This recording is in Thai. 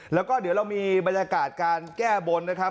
แล้วก็เดี๋ยวเรามีบรรยากาศการแก้บนนะครับ